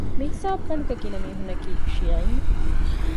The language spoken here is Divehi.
މިހިސާބުގަނޑުގެ ގިނަ މީހުންނަކީ ޝިޔަޢީން